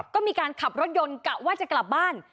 ก็มีการขับรถยนต์กะว่าจะกลับบ้าน